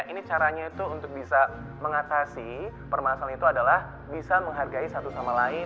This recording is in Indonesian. ini caranya itu untuk bisa mengatasi permasalahan itu adalah bisa menghargai satu sama lain